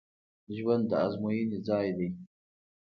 ژوند د ازموینې ځای دی